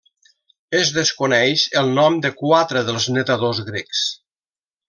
Es desconeix el nom de quatre dels nedadors grecs.